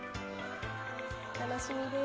楽しみです。